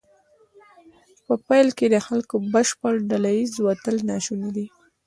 په پیل کې د خلکو بشپړ ډله ایز وتل ناشونی دی.